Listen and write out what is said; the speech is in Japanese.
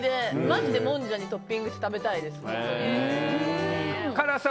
マジでもんじゃにトッピングして食べたいです。